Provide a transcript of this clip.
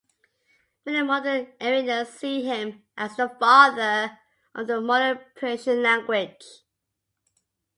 Many modern Iranians see him as the father of the modern Persian language.